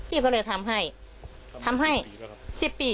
พี่ก็เลยทำให้ทำให้๑๐ปี